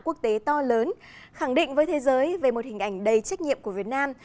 quốc tế to lớn khẳng định với thế giới về một hình ảnh đầy trách nhiệm của việt nam